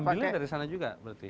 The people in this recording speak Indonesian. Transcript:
ambilnya dari sana juga berarti